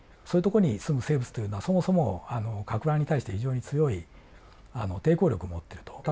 そういうとこに住む生物というのはそもそもかく乱に対して非常に強い抵抗力を持ってると。